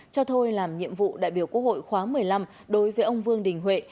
cho thôi làm nhiệm vụ đại biểu quốc hội khóa một mươi năm đối với ông vương đình huệ